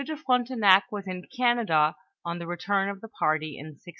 de Frontenac was in Canada on the return of the party in 1672.